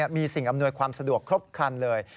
มีสิ่งอำนวยความสะดวกครบครันเลย